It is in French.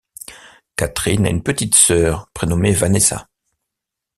Catherine a une petite sœur prénommée Vanessa.